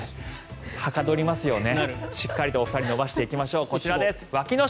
はかどりますよね。